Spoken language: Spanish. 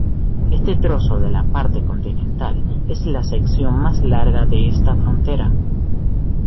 Este trozo en la parte continental es la sección más larga de esta frontera.